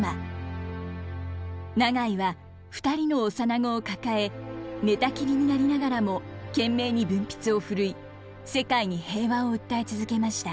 永井は２人の幼子を抱え寝たきりになりながらも懸命に文筆を振るい世界に平和を訴え続けました。